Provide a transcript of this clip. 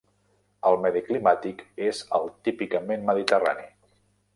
El medi climàtic és el típicament mediterrani.